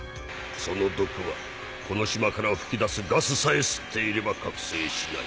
その毒はこの島から噴き出すガスさえ吸っていれば覚醒しない。